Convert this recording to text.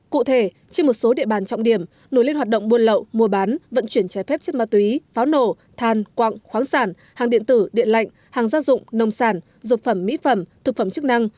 cụ thể trên một số địa bàn trọng điểm nổi lên hoạt động buôn lậu mua bán vận chuyển trái phép chất ma túy pháo nổ than quạng khoáng sản hàng điện tử điện lạnh hàng gia dụng nông sản dược phẩm mỹ phẩm thực phẩm chức năng